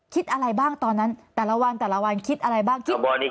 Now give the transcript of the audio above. คิดอะไรบ้างตอนนั้นแต่ละวันแต่ละวันคิดอะไรบ้าง